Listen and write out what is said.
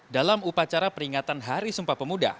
dalam upacara peringatan hari sumpah pemuda